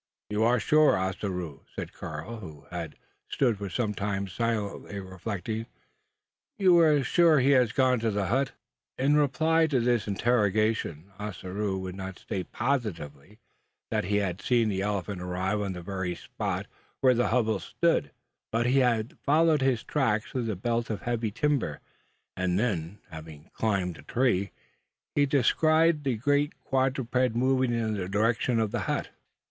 "You are sure, Ossaroo," said Karl, who had stood for some time silently reflecting, "you are sure he has gone to the hut?" In reply to this interrogation, Ossaroo would not state positively that he had seen the elephant arrive on the very spot where the hovel stood; but he had followed his track through the belt of heavy timber; and then, having climbed a tree, had descried the great quadruped moving in the direction of the hut.